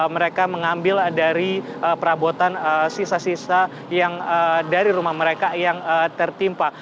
mereka mengambil dari perabotan sisa sisa dari rumah mereka yang tertimpa